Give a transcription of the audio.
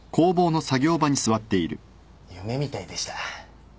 夢みたいでした。